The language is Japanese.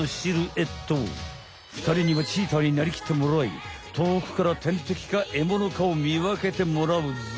ふたりにはチーターになりきってもらい遠くから天敵かえものかを見分けてもらうぞ。